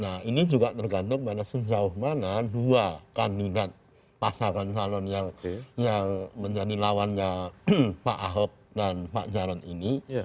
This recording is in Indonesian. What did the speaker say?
nah ini juga tergantung pada sejauh mana dua kandidat pasangan calon yang menjadi lawannya pak ahok dan pak jarod ini